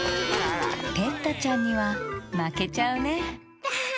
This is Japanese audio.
ペッタちゃんにはまけちゃうねダア。